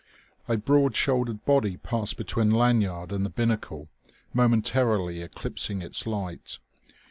A broad shouldered body passed between Lanyard and the binnacle, momentarily eclipsing its light.